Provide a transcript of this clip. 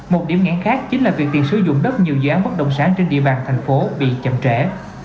một điểm ngãn khác chính là việc tiền sử dụng đất nhiều dự án bất động sản trên địa bàn thành phố bị chậm trễ